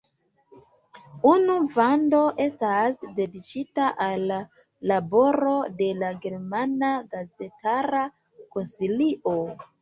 Unu vando estas dediĉita al la laboro de la Germana Gazetara Konsilio.